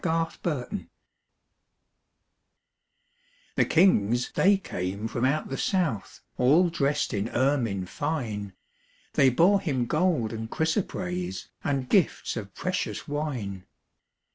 Christmas Carol The kings they came from out the south, All dressed in ermine fine, They bore Him gold and chrysoprase, And gifts of precious wine.